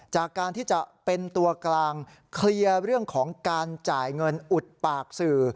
จากการที่จะเป็นตัวกลางเคลียร์เรื่องของการจ่ายเงินอุดปากสื่อ